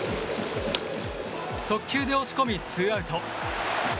速球で押し込みツーアウト。